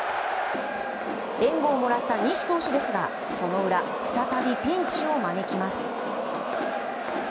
援護をもらった西投手ですがその裏、再びピンチを招きます。